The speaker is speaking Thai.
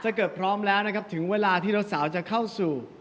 พร้อมแล้วนะครับถึงเวลาที่เราสาวจะเข้าสู่